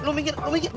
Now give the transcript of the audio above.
lu binggir lu binggir